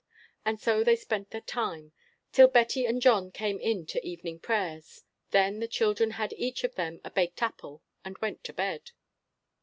And so they spent their time, till Betty and John came in to evening prayers; then the children had each of them a baked apple and went to bed.